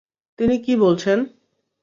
তিনি কী বলছেন?